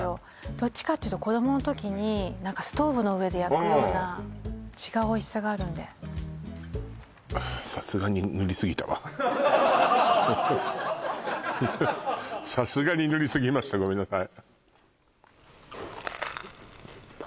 どっちかっていうと子どもの時に何かストーブの上で焼くようなうん違うおいしさがあるんでさすがに塗りすぎましたごめんなさい